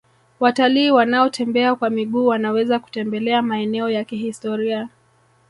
watalii wanaotembea kwa miguu wanaweza kutembelea maeneo ya kihistoria